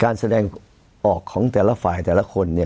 การแสดงออกของแต่ละฝ่ายแต่ละคนเนี่ย